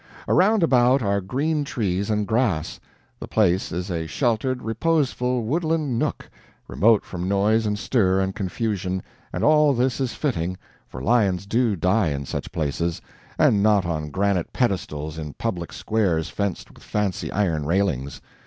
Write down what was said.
Around about are green trees and grass. The place is a sheltered, reposeful woodland nook, remote from noise and stir and confusion and all this is fitting, for lions do die in such places, and not on granite pedestals in public squares fenced with fancy iron railings.